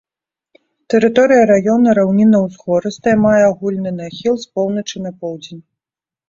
Тэрыторыя раёна раўнінна-узгорыстая, мае агульны нахіл з поўначы на поўдзень.